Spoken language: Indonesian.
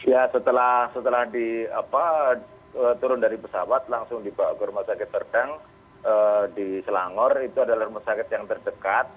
ya setelah turun dari pesawat langsung dibawa ke rumah sakit terpeng di selangor itu adalah rumah sakit yang terdekat